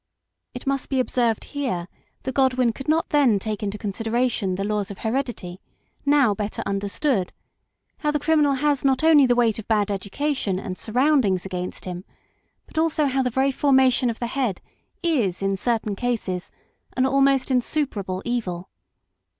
It must be observed here that Godwin could not then take into consideration the laws of heredity, now better understood ; how the criminal has not only the weight of bad education and surroundings against him, but also how the very formation of the head is in certain cases an almost insuperable evil.